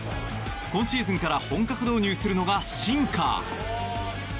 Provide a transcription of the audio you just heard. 今シーズンから本格導入するのがシンカー。